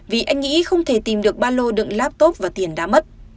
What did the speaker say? vì anh nghĩ không thể tìm được ba lô đựng laptop và tiền đã mất